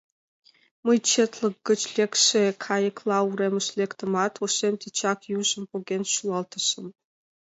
Мый четлык гыч лекше кайыкла уремыш лектымат, ошем тичак южым поген шӱлалтышым...